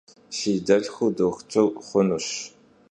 Si delhxur doxutır xhunuş.